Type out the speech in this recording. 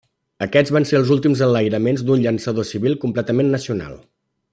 Aquests van ser els últims enlairaments d'un llançador civil completament nacional.